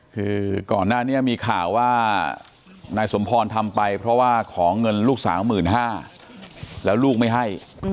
คือก่อนหน้านี้มีข่าวว่านายสมพรทำไปเพราะว่าขอเงินลูกสาว๑๕๐๐แล้วลูกไม่ให้